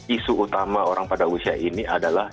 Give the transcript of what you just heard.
isu utama orang pada usia ini adalah